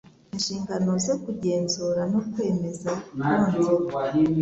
inshingano zo kugenzura no kwemeza konti